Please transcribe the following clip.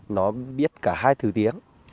nó biết cả hai thứ tiếng